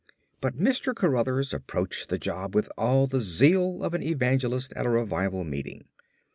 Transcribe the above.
But Mr. Cruthers approached the job with all the zeal of an evangelist at a revival meeting.